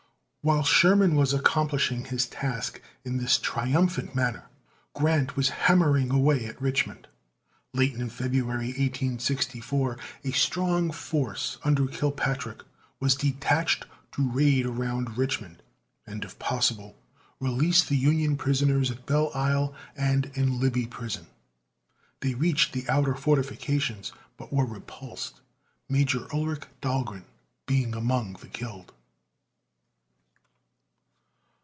While Sherman was accomplishing his task in this triumphant manner, Grant was hammering away at Richmond. Late in February, 1864, a strong force under Kilpatrick was detached to raid around Richmond and if possible release the Union prisoners at Belle Isle and in Libby prison. They reached the outer fortifications, but were repulsed, Major Ulric Dahlgren being among the killed.